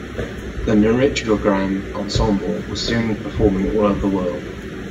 The Nrityagram ensemble was soon performing all over the world.